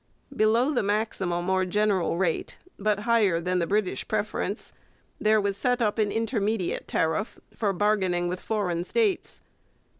Below the maximum or general rate, but higher than the British preference, there was set up an intermediate tariff, for bargaining with foreign states.